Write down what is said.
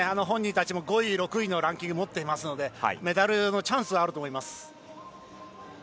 本人たちも５位、６位のランキングを持っているのでメダルのチャンスはあると思います。